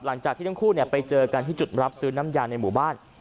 หลังจากที่ทั้งคู่ไปเจอกันที่จุดรับซื้อน้ำยาในหมู่บ้าน